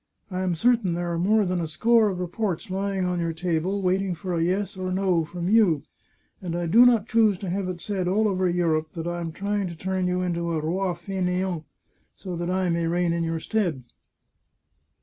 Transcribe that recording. I am certain there are more than a score of reports lying on your table, waiting for a ' yes ' or * no ' from you, and I do not choose to have it said all over Europe that I am trying to turn you into a ' Roi faineant,' so that I may reign in your stead."